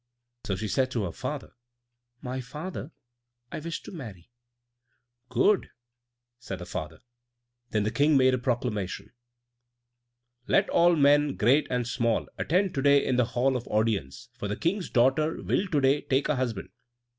So she said to her father, "My father; I wish to marry." "Good," said her father. Then the King made a proclamation: "Let all men, great and small, attend to day in the hall of audience, for the King's daughter will to day take a husband."